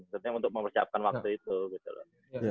sebenernya untuk mempersiapkan waktu itu gitu loh